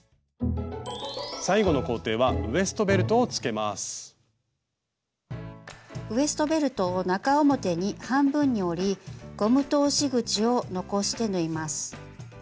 最後の工程はウエストベルトを中表に半分に折りゴム通し口を残して縫います。